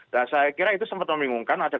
saya kira itu sempat membingungkan